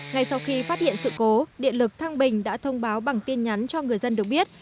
ngay sau khi phát hiện sự cố điện lực thăng bình đã thông báo bằng tin nhắn cho người dân được biết